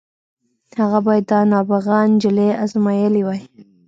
هغه بايد دا نابغه نجلۍ ازمايلې وای.